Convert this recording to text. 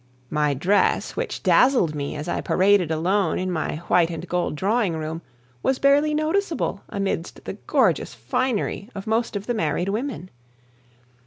My dress, which dazzled me as I paraded alone in my white and gold drawing room, was barely noticeable amidst the gorgeous finery of most of the married women.